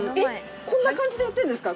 こんな感じで売ってんですか？